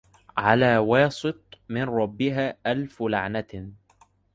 على واسط من ربها ألف لعنة